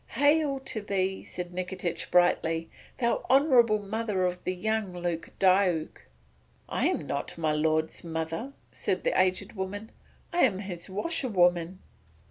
"Hail to thee!" said Nikitich brightly, "thou honourable mother of the young Lord Diuk." "I am not my lord's mother," said the aged woman, "I am his washerwoman."